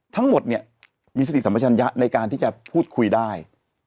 ทั้งหมดเนี่ยมีสติสัมปชัญญะในการที่จะพูดคุยได้